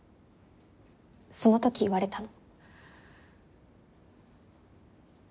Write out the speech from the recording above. その時言われたの。